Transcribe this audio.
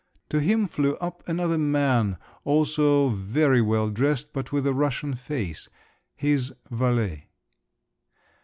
To him flew up another man, also very well dressed but with a Russian face—his valet.